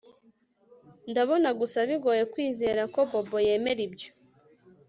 Ndabona gusa bigoye kwizera ko Bobo yemera ibyo